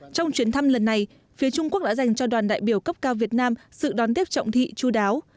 trong chuyến thăm lần này phía trung quốc đã dành cho đoàn đại biểu cấp cao việt nam sự đón tiếp trọng thị chú đáo